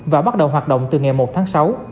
và bắt đầu hoạt động từ ngày một tháng sáu